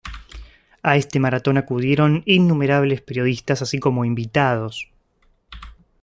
A este maratón acudieron innumerables periodistas así como invitados.